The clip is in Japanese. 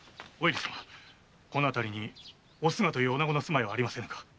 この辺りに「おすが」というおなごの住まいはありませぬか？